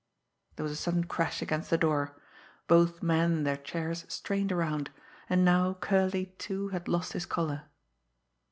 There was a sudden crash against the door. Both men, in their chairs, strained around and now Curley, too, had lost his colour.